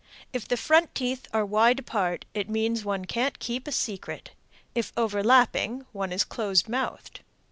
If the front teeth are wide apart, it means one can't keep a secret. If overlapping, one is close mouthed.